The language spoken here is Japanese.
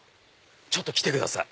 ちょっと来てください。